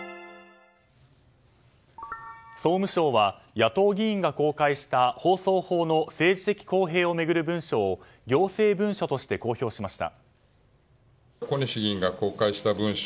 総務省は野党議員が公開した放送法の政治的公平を巡る文書を行政文書として公表しました。